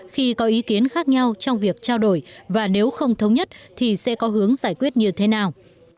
khi có ý kiến khác nhau trong việc trao đổi và nếu không thống nhất thì sẽ có hướng giải quyết như thế nào